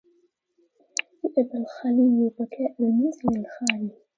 يأبى الخلي بكاء المنزل الخالي